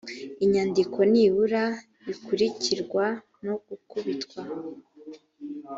inyandiko nibura bikurikirwa no gukubitwa